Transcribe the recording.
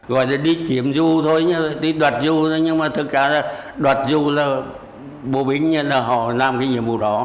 gọi là đi kiểm rù thôi đi đoạt rù thôi nhưng mà thực ra là đoạt rù là bộ binh là họ làm cái nhiệm vụ đó